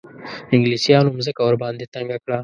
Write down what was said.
انګلیسیانو مځکه ورباندې تنګه کړه.